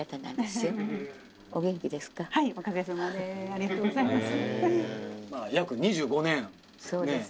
「ありがとうございます」